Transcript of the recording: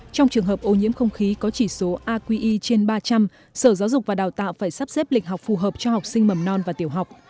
trong trường hợp ô nhiễm không khí có chỉ số aqi trên ba trăm linh sở giáo dục và đào tạo phải sắp xếp lịch học phù hợp cho học sinh mầm non và tiểu học